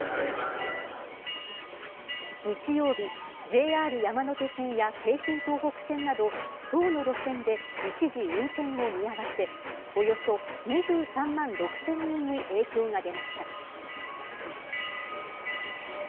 日曜日、ＪＲ山手線や京浜東北線など、１０の路線で一時運転を見合わせ、およそ２３万６０００人に影響が出ました。